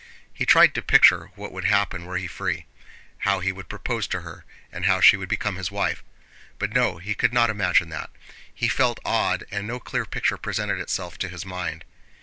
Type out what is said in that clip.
He tried to picture what would happen were he free. How he would propose to her and how she would become his wife. But no, he could not imagine that. He felt awed, and no clear picture presented itself to his mind.